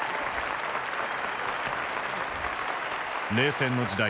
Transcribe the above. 冷戦の時代